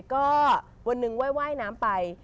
ก็วันนึงไหว้ว่ายน้ำไป